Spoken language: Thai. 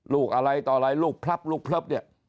ลูกอะไรต่ออะไรลูกพลับลูกพลับเนี่ย